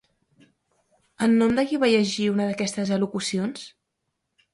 En nom de qui va llegir una d'aquestes al·locucions?